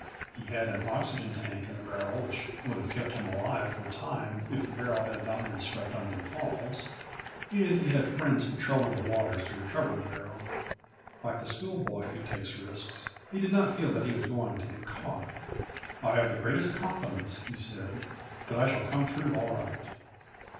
He had an oxygen tank in the barrel which would have kept him alive for a time if the barrel had not been swept under the Falls, and he had friends patrolling the waters to recover the barrel. Like the schoolboy who takes risks, he did not feel that he was going to get caught. "I have the greatest confidence," he said, "that I shall come through all right."